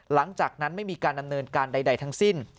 หลังจากนั้นไม่มีการดำเนินการใดทั้งสิ้น